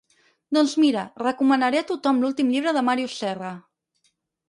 Doncs mira, recomanaré a tothom l'últim llibre de Màrius Serra.